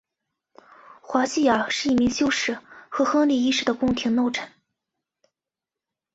华西亚是一名修士和亨利一世的宫廷弄臣。